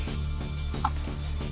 あっすいません。